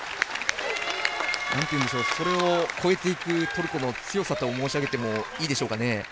それを超えていくトルコの強さと申し上げてもいいでしょうか。